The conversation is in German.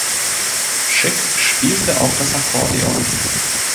Schick spielte auch das Akkordeon.